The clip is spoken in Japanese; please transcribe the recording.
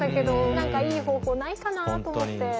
何かいい方法ないかなあと思って。